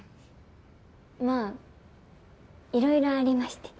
まあいろいろありまして。